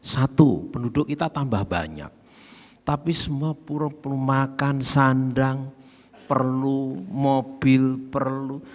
satu penduduk kita tambah banyak tapi semua pura pu makan sandang perlu mobil perlu